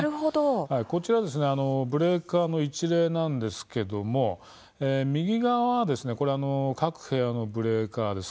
こちらブレーカーの一例ですけれども右側は各部屋のブレーカーです。